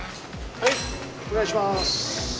はいお願いします。